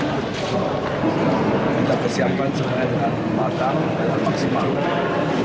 kita persiapkan sebenarnya dengan mematah maksimal